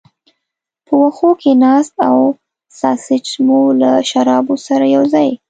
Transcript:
په وښو کې ناست او ساسیج مو له شرابو سره یو ځای.